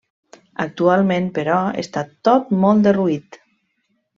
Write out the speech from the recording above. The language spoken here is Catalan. Actualment, però, està tot molt derruït.